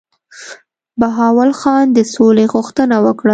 بهاول خان د سولي غوښتنه وکړه.